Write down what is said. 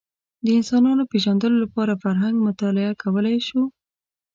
د انسانانو پېژندلو لپاره فرهنګ مطالعه کولی شو